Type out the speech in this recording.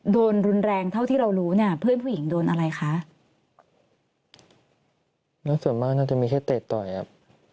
โดนรุนแรงเท่าที่เรารู้เนี่ยเพื่อนผู้หญิงโดนอะไรคะแล้วส่วนมากน่าจะมีแค่เตะต่อยครับ